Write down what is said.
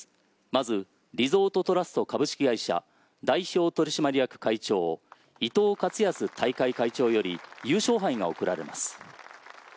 まず、リゾートトラスト株式会社代表取締役会長伊藤勝康大会会長より優勝杯が贈られます。